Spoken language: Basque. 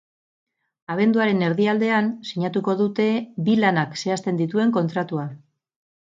Abenduaren erdialdean sinatuko dute bi lanak zehazten dituen kontratua.